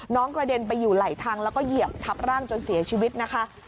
กระเด็นไปอยู่ไหลทางแล้วก็เหยียบทับร่างจนเสียชีวิตนะคะ